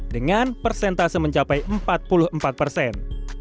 dengan persentase mencapai empat puluh empat persen